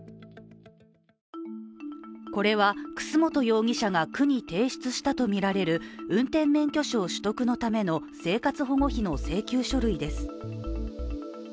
これは楠本容疑者が区に提出したとみられる運転免許証取得のための生活保護費の請求書類です。